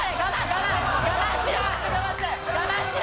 我慢しろ！